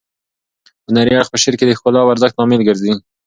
هنري اړخ په شعر کې د ښکلا او ارزښت لامل ګرځي.